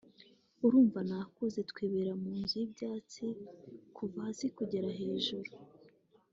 urumva nakuze twibera mu nzu y’ibyatsi kuva hasi kugera hejuru